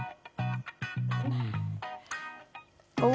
お！